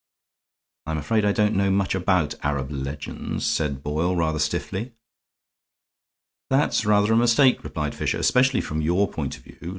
"I'm afraid I don't know much about Arab legends," said Boyle, rather stiffly. "That's rather a mistake," replied Fisher, "especially from your point of view.